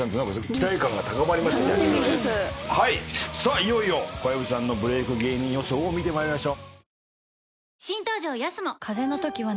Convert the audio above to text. いよいよ小籔さんのブレーク芸人予想を見てまいりましょう。